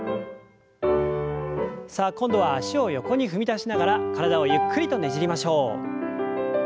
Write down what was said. さあ今度は脚を横に踏み出しながら体をゆっくりとねじりましょう。